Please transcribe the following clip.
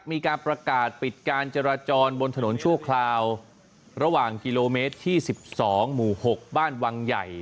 มีการประกาศปิดการจราจรบนถนนชั่วคราวระหว่างกิโลเมตรที่๑๒หมู่๖บ้านวังใหญ่